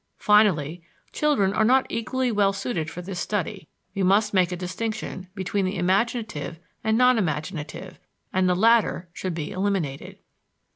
Finally, children are not equally well suited for this study; we must make a distinction between the imaginative and non imaginative, and the latter should be eliminated.